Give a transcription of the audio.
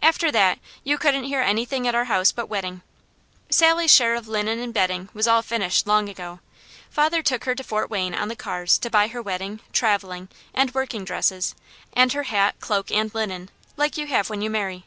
After that, you couldn't hear anything at our house but wedding. Sally's share of linen and bedding was all finished long ago. Father took her to Fort Wayne on the cars to buy her wedding, travelling, and working dresses, and her hat, cloak, and linen, like you have when you marry.